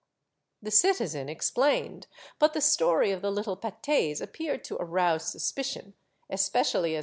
" The citizen explained, but the story of the little pates appeared to arouse suspicion, especially as M.